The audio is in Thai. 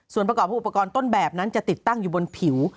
ส่วนประกอบของอุปกรณ์ต้นแบบนั้นจะติดตั้งอยู่บนผิว